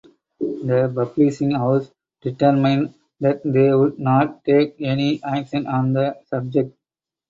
The publishing house determined that they would not take any action on the subject.